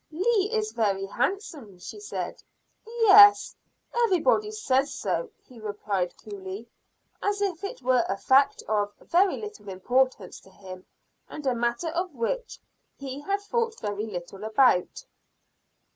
"Leah is very handsome," she said. "Yes everybody says so," he replied coolly, as if it were a fact of very little importance to him, and a matter which he had thought very little about.